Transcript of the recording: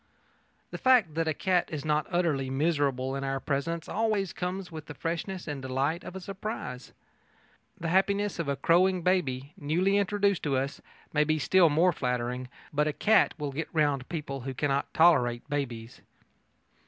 The fact that a cat is not utterly miserable in our presence always comes with the freshness and delight of a surprise. The happiness of a crowing baby, newly introduced to us, may be still more flattering, but a cat will get round people who cannot tolerate babies.